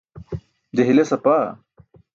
je hiles apaa